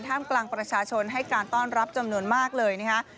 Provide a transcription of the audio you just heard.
กลางประชาชนให้การต้อนรับจำนวนมากเลยนะคะ